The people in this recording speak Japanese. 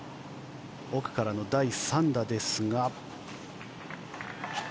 奥からの第３打ですが。